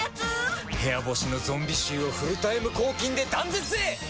部屋干しのゾンビ臭をフルタイム抗菌で断絶へ！